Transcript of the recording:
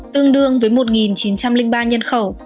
tương đương với một chín trăm linh ba nhân khẩu